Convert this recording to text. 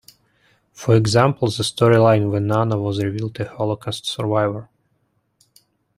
For example, the storyline where Nana was revealed a Holocaust survivor.